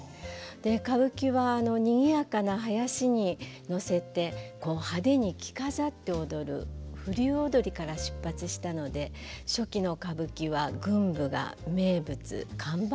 歌舞伎はにぎやかな囃子に乗せて派手に着飾って踊る風流踊から出発したので初期の歌舞伎は群舞が名物看板だったんです。